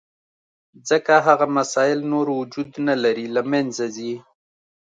ځکه هغه مسایل نور وجود نه لري، له منځه ځي.